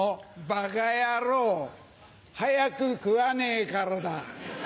バカ野郎早く食わねえからだ。